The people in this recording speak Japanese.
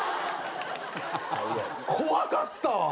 怖かった。